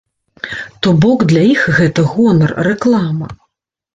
То бок для іх гэта гонар, рэклама.